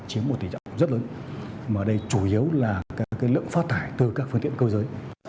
chiếm một tỉ trọng rất lớn mà đây chủ yếu là các cái lượng phát tải từ các phương tiện cơ giới